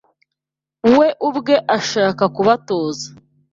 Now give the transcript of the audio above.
we ubwe ashaka kubatoza